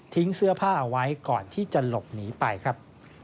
เสื้อผ้าเอาไว้ก่อนที่จะหลบหนีไปครับ